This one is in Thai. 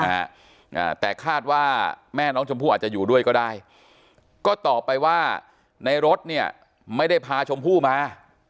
อ่าแต่คาดว่าแม่น้องชมพู่อาจจะอยู่ด้วยก็ได้ก็ตอบไปว่าในรถเนี่ยไม่ได้พาชมพู่มา